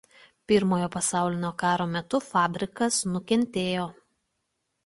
Pirmojo pasaulinio karo metu fabrikas nukentėjo.